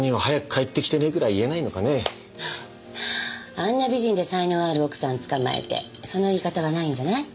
あんな美人で才能ある奥さんつかまえてその言い方はないんじゃない？